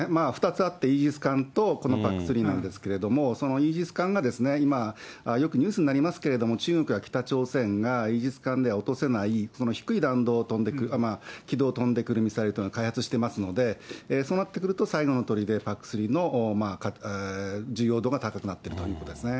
２つあって、イージス艦とこのＰＡＣ３なんですけれども、そのイージス艦が、今、よくニュースになりますけれども、中国や北朝鮮がイージス艦では落とせない低い弾道、軌道を飛んでくるミサイルを開発していますので、そうなってくると、最後のとりで、ＰＡＣ３の重要度が高くなっているということですね。